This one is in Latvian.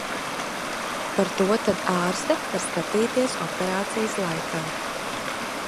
Pa to tad ārste var skatīties operācijas laikā.